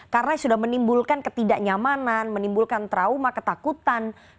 karena sudah menimbulkan ketidaknyamanan menimbulkan trauma ketakutan kepada bu nur hayatin